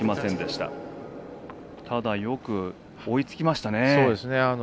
ただ、よく追いつきましたね。